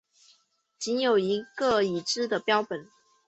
仅有一个已知的标本。